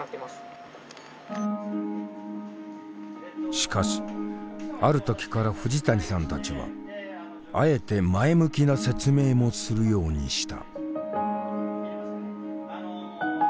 しかしある時から藤谷さんたちはあえて前向きな説明もするようにした。